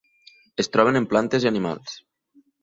Es troben en plantes i animals.